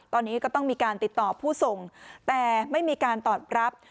ตอนนี้ก็ต้องมีการติดต่อผู้ส่งแต่ไม่มีการตอบรับ